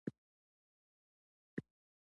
څو یوې فرعي لارې ته چې دواړو اړخو ته یې.